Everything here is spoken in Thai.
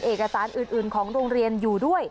เอกสารอื่นของโรงเรียนอยู่ด้วย